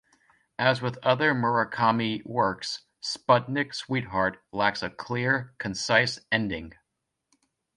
As with other Murakami works, Sputnik Sweetheart lacks a clear, concise ending.